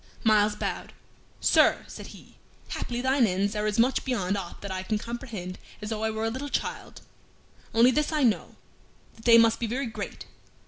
Myles bowed. "Sir," said he, "haply thine ends are as much beyond aught that I can comprehend as though I were a little child; only this I know, that they must be very great.